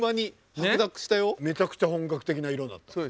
めちゃくちゃ本格的な色になった。